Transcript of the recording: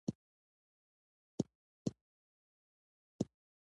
نورې ښځې ووتې او نیمه شپه شوه.